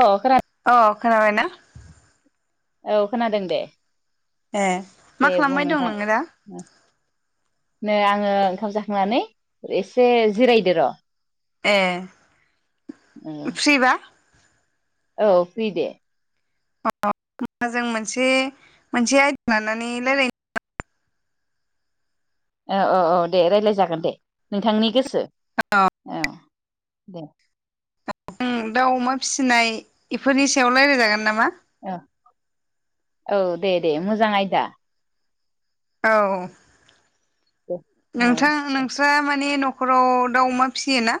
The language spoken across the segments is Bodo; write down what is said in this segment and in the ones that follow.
अ आमफ्राय अ खोनाबायना औ खोनादों दे ए मा दे बुं खालामबाय दं नोंथां नोङो दा? नै आङो ओंखाम जाखांनानै एसे जिरायदो र। ए फ्रिबा औ फ्रि दे अ अ होनबा जों मोनसे मोनसे आयदा लानानै रायजलायनो औ औ औ दे रायज्लाय जागोन दे नोंथांनि गोसो औ दे ओम दाउ अमा फिसिनाय बेफोरनि सायाव रायज्लायजागोन नामा? ओ औ दे दे मोजां आयदा। औ। दे औ नोंथां नोंस्रा माने नखराव दाउ अमा फिसियो ना?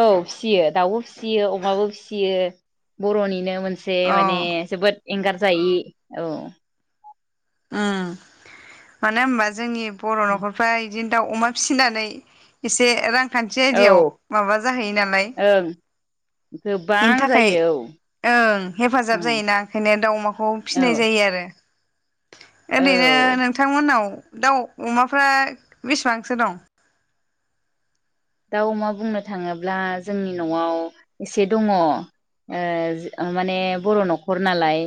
औ फिसियो दाउबो फिसियो अमाबो फिसियो बर निनो मोनसे अ माने जोबोद एंगारजायि औ उ मानो होमबा जोंनि बर नखरफ्राय बिदिनो दाउ अमा फिसिनानै एसे रां खान्थि औ आयदायाव माबा जाहैयो नालाय ओं गोबां बेनि थाखाय जायो ओं हेफाजाब औ जायोना ओंखायनो दाावमाखौ फिसिनाय औ जायो आरो ओरैनो औ नोंथांमोनाव दाउ अमाफ्रा बेसेबांसो दं? दाउ अमा बुंनो थाङोब्ला जोंनि नआव एसे दङ ओ माने बर नखर नालाय।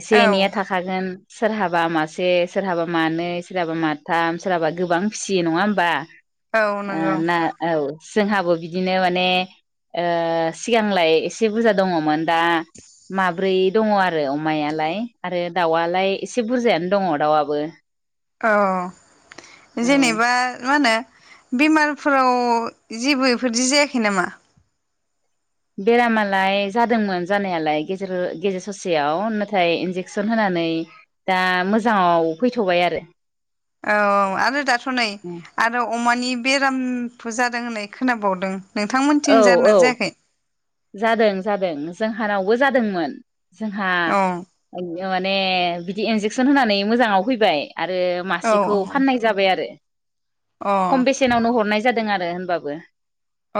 एसे औ एनैया थाखागोन। सोरहाबा मासे सोरहाबा मानै सोरहाबा माथाम सोरहाबा गोबां फिसियो नङा होमबा। औ ओ नंगौ ना औ जोंहाबो बिदिनो माने ओ सिगांलाय एसे बुरजा दङमोन दा माब्रै दङ आरो अमायालाय आरो दाउआलाय एसे बुरजायानो दङ दाउआबो औ औ जेनेबा मा होनो बेमारफोराव जेबो बेफोरदि जायाखै नामा? बेरामालाय जादोंमोन जानायालाय गेजेर-गेजेर ससेयाव नाथाय इन्जेकसन होनानै दा मोजाङाव फैथ'बाय आरो। औ-औ आरो दाथ नै आरो अमानि बेरामथ जादों होननाय खोनाबावदों। औ नोंथांमोनथिं जादोंना औ जायाखै? जादों जादों जोंहानावबो जादोंमोन। जोंहा औ माने बिदि इन्जेकसन होनानै मोजाङाव फैबाय। आरो औ मासेखौ फाननाय जाबाय आरो। औ खम बेसेनावनो हरनाय जादों। जादों आरो होनबाबो।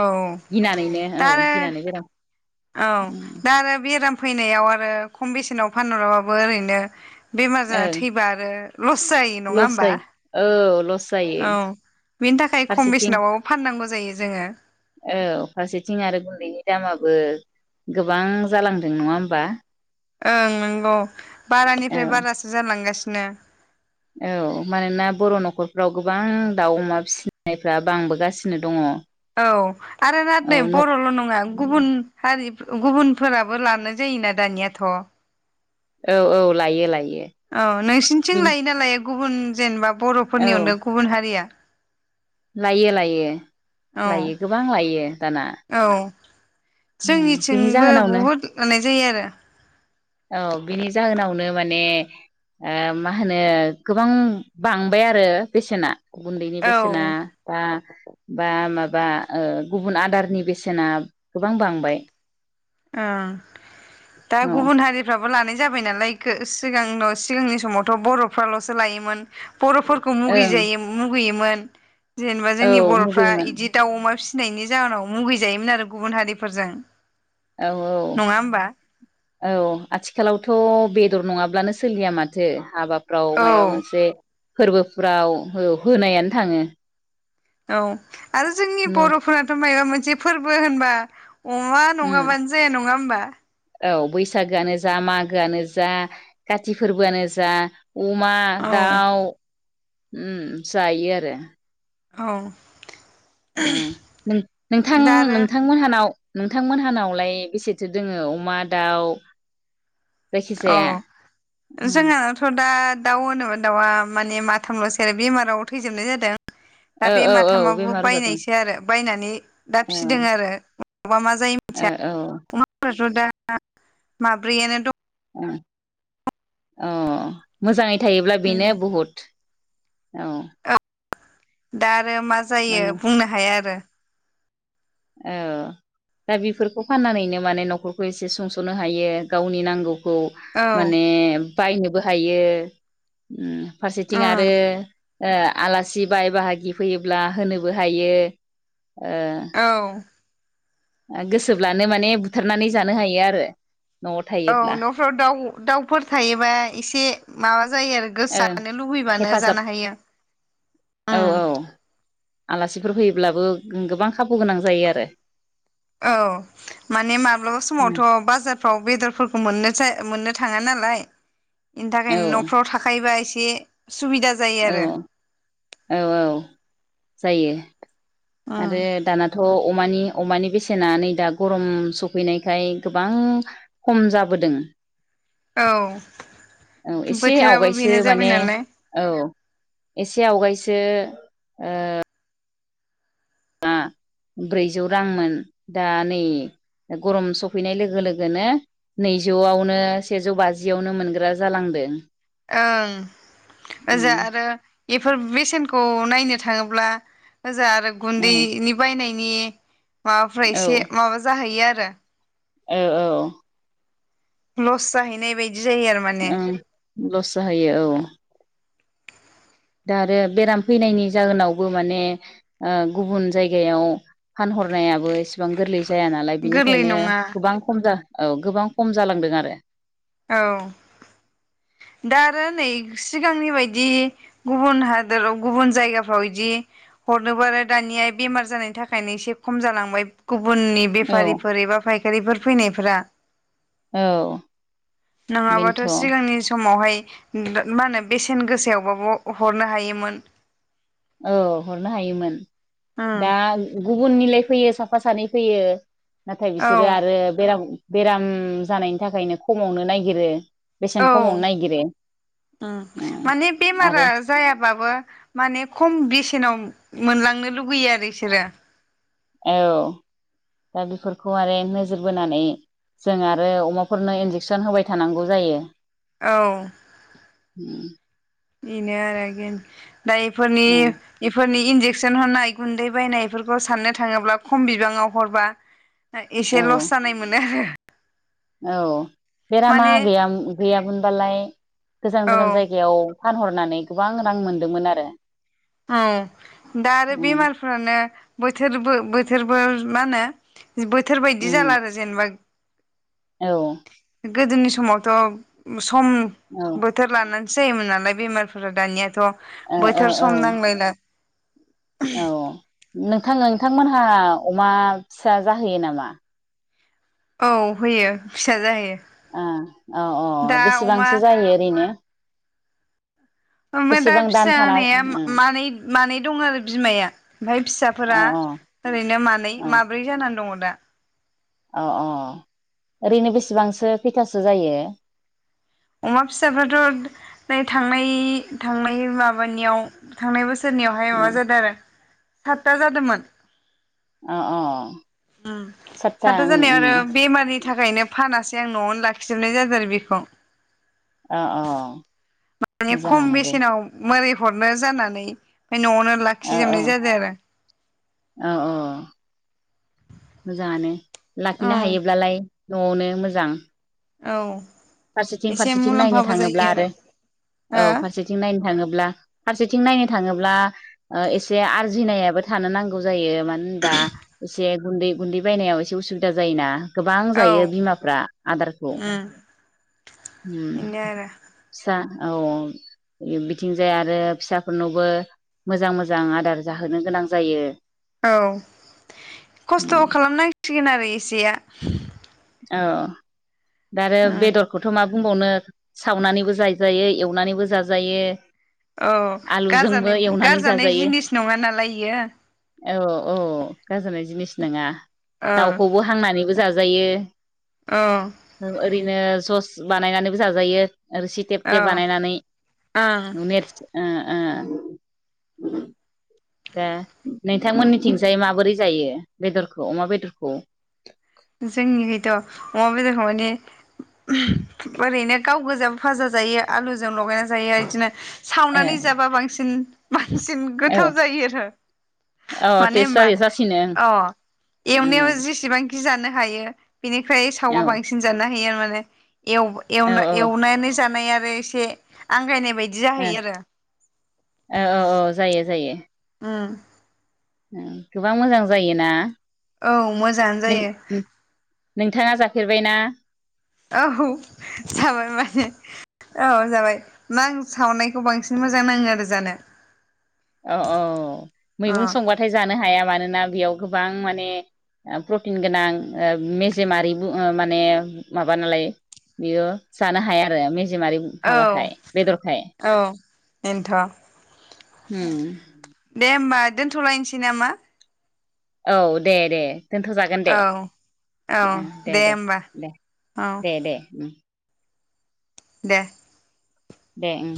अ औ गिनानैनो दा औ आरो गिनानै जादों। औ दा आरो बेराम फैनायाव आरो खम बेसेनाव फानहराबाबो ओरैनो बेमार जानानै ओं थैबा आरो लस जायो नङा लस होमबा? जायो औ लस जायो औ बेनि थाखाय खम फारसेथिं बेसेनावबाबो फाननांगौ जायो जोङो औ फारसेथिं आरो गुन्दैनि दामाबो बो गोबां जालांदों नङा होमबा? ओं नोंगौ। औ बारानिफ्राय बारासो जालांगासि नो। औ मानोना बर' न'खरफ्राव गोबां दाउ अमा फिसिनायफ्रा बांबोगासिनो दङ'। औ आरोना नै न बर'ल' नङा गुबुन हारि गुबुनफोराबो लानाय जायोना दानियाथ' औ औ लायो लायो। औ नोंसिनिथिं लायोना लाया गुबुन जेनेबा औ बर'फोरनि अनगा गुबुन हारिया? लायो लायो। औ लायो गोबां लायो दाना। औ बिनि जोंनिथिंबो जाहोनावनो बुहुत माने जायो आरो। औ बिनि जाहोनावनो माने ओ मा होनो गोबां बांबाय आरो बेसेनाआ। गुन्दैनि औ बेसेना बा बा माबा ओ गुबुन आदारनि बेसेना गोबां बांबाय। ओ। दा औ गुबुन हारिफ्राबो लानाय जाबाय नालाय गो सिगां सिगांनि समावथ' बर'फ्राल'सो लायोमोन। बर'फोरखौ ओं मुगैजायो मुगैयोमोन। उ। जेनेबा औ जोंनि बर'फ्रा मुगैयोमोन इदि दाउ अमा फिसि सिनायनि जाहोनाव मुगैजायोमोन आरो गुबुन हारिफोरजों। औ औ। नङा होमबा औ आथिखालावथ' बेदर नङाब्लानो सोलिया माथो हाबा फ्राव औ माबा मोनसे फोरबो फुराव हो-होनायानो थाङो। औ। आरो जोंनि न बर'फोराथ' मायबा मोन जे फोरबो होनबा अमा उम नंङाबानो जाया नङा होमबा? बा। औ बैसागोआनो जा, मागोआनो जा, काति फोरबोआनो जा उमा, औ दाउ उ जायो आरो औ। उ नोंथां दा आरो नोंथांमोनहानाव नोंथांमोनहानावलाय बेसेथो दोङो अमा दाउ? औ जायखिजाया जोंहानाथ' दा दाउ होनोउ होनोबा दाउआ माने माथामल'सै आरो बेमाराव थैजोबनाय जादों दा ओ बे औ औ माथामावबो बेमार जादों बायनायसो आरो बायनानै दा औ फिदों आरो उनावबा मा जायो औ मिथिया औ अमाफोराथ' दा माब्रैयानो दं। अऔ मोजाङै। थायोब्ला दं बेनो बुहुत औ। दा आरो मा जायो माने बुंनो हाया आरो औ दा बेफोरखौ फाननानैनो माने न'खरखौ एसे सुंस'नो हायो गावनि नांगौ खौ औ माने बायनोबो हायो उम फारसेथिं उम आरो ओ आलासि बाय बाहागि फैयोब्ला होनोबो हायो ओ औ ओ गोसोब्लानो माने बुथारनानै जानो हायो आरो न'आव औ थायोब्ला न'फ्राव दाउ दाउफोर थायोबा एसे माबा जायो आरो ओं गोसोआानो लुबैबानो हेफाजाब जानो हायो औ उम औ आलासिफोर फैयोब्लाबो गोबां खाबु गोनां जायो आरो औ माने माब्लाबा उम समावथ' बाजारफ्राव बेदरफोरखौ मोननो जा मोननो थाङा नालाय बेनि औ थाखायनो न'फ्राव थाखायोबा एसे से औ औ औ जायो। उम आरो दानाथ' अमानि अमानि बेसेना नै दा गरम सफैनायखाय गोबां खम जाबोदों। औ औ एसे बोथोराबो आवगायसो बेनो जाबाय माने नालाय औ एसे आवगायसो दो ओ ब्रैजौ रांमोन दा नै गरम सफैनाय लोगो लोगोनो नैजौआवनो सेजौ बाजियावनो मोनग्रा जालांदों। ओं ओजो उम आरो बेफोर बेसेनखौ नायनो थाङोब्ला ओजो आरो औ गुन्दैनि बायनाय नि माबाफ्रा औ एसे माबा जाहैयो आ [inaudible] औ औ। लस जाहैनाय बाय ओं लस जाहैयो औ। दा आरो बेराम फैनायनि जाहोनावबो माने ओ गुबुन जायगायाव फानहरनायाबो एसेबां गोरलै जाया नालाय गोरलै बिनिखायनो नङा गोबां खम जा औ गोबां खम जालांदों आरो। औ, दा आरो नै सिगांनि बायदि गुबुन हादोराव गुबुन जायगाफ्राव बिदि हरनोबो आरो दानिया बेमार जानायनि थाखायनो एसे खम जालांबाय गुबुननि औ बेफारिफोर एबा फायखारिफोर फैनायफोरा। औ। नङाबाथ' बेनोथ' सिगांनि समावहाय। माने मा होनो बेसेन गोसायावबाबो हरनो हायोमोन। औ हरनो हायोमोन। उम दा गुबुननिलाय फैयो साफा सानै फैयो। नाथाय औ बिसोरो आरो बेराम बेराम जानायनि थाखायनो खमावनो नायगिरो। औ उम, उम माने बेमारा आरो जायाबाबो माने खम बे सेनाव मोनलांनो लुबैयो आरो इसोरो। औ दा बेफोरखौ आरो नोजोर बोनानै जों आरो अमाफोरनो इन्जेकसन होबाय थानांगौ जायो। औ। उम बिनो आरो गिन। दा इफोरनि उम इफोरनि इन्जेकसन होनाय गुन्दै बायनायफोरखौ सान्नो थाङोब्ला खम बिबाङाव हरबा औ एसे लस जानाय मोनो आरो। औ। बेरामा माने गैयाम-गैयामोनबालाय गोजान गोजान औ जायगायाव फानहरनानै गोबां रां मोन्दोंमोन आरो। औ दा आरो बेमारफोरानो बोथोरबो बोथ थोरफोर मा होनो बोथोर बायदि जाला आरो जेनेबा गोदोनि समावथ' सम औ बोथोर लानानै जायोमोन नालाय बेमारफोरा दानियाथ' ओ बोथोर ओ औ सम नांलायला औ नोंथां नोंथांमोनहा अमा फिसा जाहोयो नामा? औ होयो फिसा जाहैयो। ओं अ अ दा अ अमा बेसेबांसो जायो ओरैनो? ओमफाय दा बेसेबां दान फिसा थाना होनाया औ मानै मानै दं आरो बिमाया ओमफाय औ फिसाफोरा औ ओरैनो मानै माब्रै जानानै दङ। दा अ अ अ ओरैनो बेसेबांसो खैथासो जायो? अमा फिसाफ्राथ' नै थांनाय थांनाय माबानियाव थांनाय बोसोर सोरनियावहाय माबा उम जादों आरो। सादथा जादोंमोन। अ अ अ सातथा सादथा उम जानायाव आरो उम बेमारनि थाखायनो फानासै जों न'आवनो लाखिजोबनाय जादों आरो बेखौ। अ अ माने खम मोजाङानो दे बेसेनाव मोरै हरनो जानानै ओमफाय न'आवनो औ लाखिजोबनाय जादों आरो। औ औ औ मोजाङानो। औ लाखिनो हायोब्लालाय न'आवनो मोजां। औ फारसेथिं एसे फारसेथिं नायनो मुलाम्फाबो जायो थाङोब्ला आरो औ आरो फारसेथिं नायनो थाङोब्ला फारसेथिं नायनो थाङोब्ला ओ एसे आर्जिनायाबो थानो नांगौ जायो मानो होनबा एसे गुन्दै गुन्दै बायनायाव एसे उसुबिदा जायोना गोबां हो जायो औ बिमाफ्रा आदारखौ उम उम बेनो सा औ औ बिथिंजाय आरो फिसाफोरनावबो मोजां मोजां आदार जाहोनो गोनां जायो। औ खस्थ' उम खालामनाय सिगोन आरो इसेया औ दा आरो उम बेदरखौथ' माब बुंबावनो सावनानैबो जायजायो एवनानैबो जाजायो। औ आलुजोंबो गारजाना एवनानै गारजानाय जाजायो जिनिस नङा नालाय इयो। औ औ गारजानाय जिनिस नोङा। ओ दाउखौबो हांनानैबो जाजायो। औ औ ओरैनो जस बानायनानैबो जाजायो। रोसि तेब औ तेब बानायनानै ओं नुनेरसो ओ ओ दा नोंथांमोननिथिंजाय माबोरै जायो बेदरखौ अमा बेदरखौ? जोंनिखैथ' अमा बेदरखौ माने ओरैनो गाव गोजा फाजा जायो आलुजों लगायना जायो इदिनो ए सावनानै जाबा बांसिन बांसिन औ गोथाव जायो आरो औ माने टेस्ट ओमबा जायो जासिनो अ एवनायाव ओं जेसेबां‌ जि जानो हायो। बिनिफ्राय औ सावबा बांसिन जानो हायो आरो मान [unintelligible] एव औ एव ओ एवनानै जानायाब फाय इसे आंगायनाय बायदि औ जाहैयो आरो औ औ जायो जायो। उम उम गोबां मोजां जायोना? औ मोजाङानो जायो। नों नोंथाङा जाफेरबायना? औ जाबाय माने औ जाबाय मा आं सावनायखौ बांसिन मोजां नाङो आरो जानो। अ औ अ मैगं संबाथाय जानो हाया मान ना बेयाव गोबां माने ओ प्रटिन गोनां ओ मेजेमारि ओ माने माबा नालाय बेयो जानो हाया आरो मेज जेमारि माबाखाय औ बेदरखाय। बेनोथ' उम दे होमबा दोनथ'लायनोसै नामा? औ दे दे। दोनथ'जागोन दे औ दे दे दे औ दे दे उम दे। दे